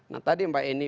nah tadi mbak eny